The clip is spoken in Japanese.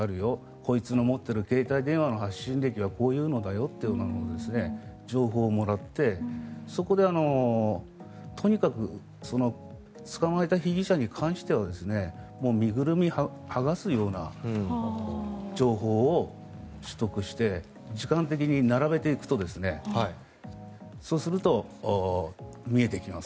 こいつの持っている携帯電話の発信歴はこういうのだよという情報をもらってそこでとにかく捕まえた被疑者に関してはもう身ぐるみ剥がすような情報を取得して時間的に並べていくとそうすると、見えてきます。